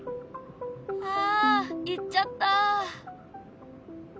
あ行っちゃった。